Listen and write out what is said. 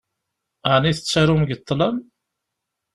Ɛni tettarum deg ṭṭlam?